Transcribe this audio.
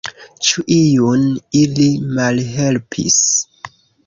Ĉu iun ili malhelpis?